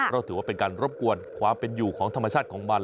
เพราะถือว่าเป็นการรบกวนความเป็นอยู่ของธรรมชาติของมัน